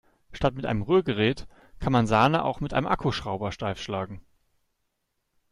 Statt mit einem Rührgerät kann man Sahne auch mit einem Akkuschrauber steif schlagen.